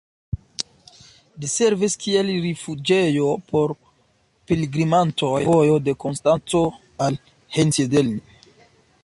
Ĝi servis kiel rifuĝejo por pilgrimantoj sur la vojo de Konstanco al Einsiedeln.